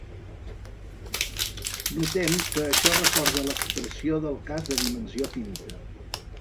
Notem que això recorda l'expressió del cas de dimensió finita.